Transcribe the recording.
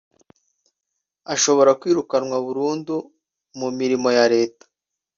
ashobora kwirukanwa burundu mu mirimo ya Leta